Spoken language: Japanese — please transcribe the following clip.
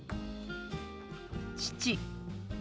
「父」。